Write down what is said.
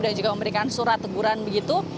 dan juga memberikan surat teguran begitu